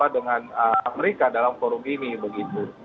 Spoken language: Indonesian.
dengan mereka dalam forum ini begitu